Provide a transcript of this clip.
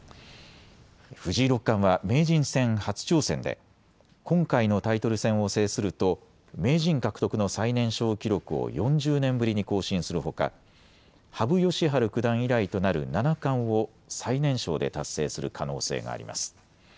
藤井六冠は名人戦初挑戦で今回のタイトル戦を制すると名人獲得の最年少記録を４０年ぶりに更新するほか羽生善治九段以来となる七冠を最年少で達成する可能性があります。